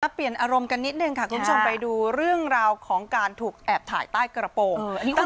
เปลี่ยนอารมณ์กันนิดนึงค่ะคุณผู้ชมไปดูเรื่องราวของการถูกแอบถ่ายใต้กระโปรง